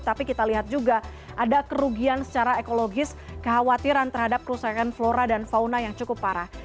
tapi kita lihat juga ada kerugian secara ekologis kekhawatiran terhadap kerusakan flora dan fauna yang cukup parah